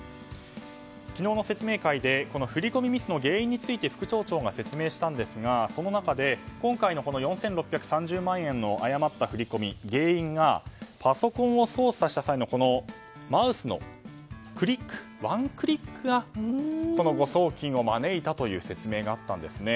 昨日の説明会で振り込みミスの原因について副町長が説明したんですがその中で今回の４６３０万円の誤った振り込みの原因がパソコンを操作した際のマウスのクリックワンクリックが誤送金を招いたという説明があったんですね。